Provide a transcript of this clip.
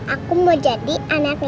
aku mau jadi anaknya